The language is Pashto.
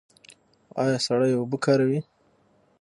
ایا سړې اوبه کاروئ؟